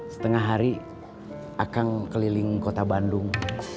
setengah hari akang keliling kota bandung